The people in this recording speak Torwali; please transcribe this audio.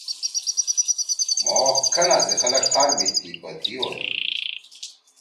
مھو کھنا سی خلگ خار می تی پہ تی ہودی۔